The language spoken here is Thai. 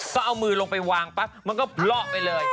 ก็เอามือลงในวางมันก็บลอบไปเลย